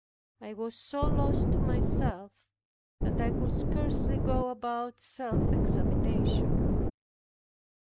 I was so lost to myself, that I could scarcely go about self examination.